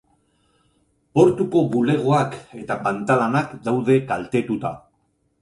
Portuko bulegoak eta pantalanak daude kaltetuta.